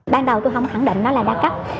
ban đầu tôi không khẳng định nó là đa cấp